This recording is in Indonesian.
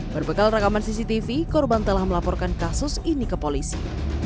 berbekal rekaman cctv korban telah melaporkan kasus ini ke polisi